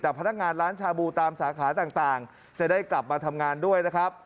แต่พนักงานร้านชาบูตามสาขาต่างจะได้กลับมาทำงานด้วยนะครับ